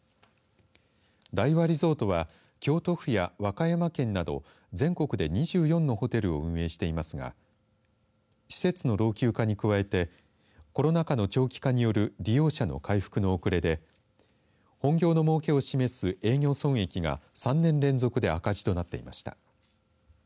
大和リゾートは京都府や和歌山県など全国で２４のホテルを運営していますが施設の老朽化に加えてコロナ禍の長期化による利用者の回復の遅れで本業のもうけを示す営業損益が３年連続で赤字となっていました。